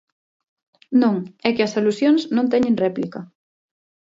Non, é que as alusións non teñen réplica.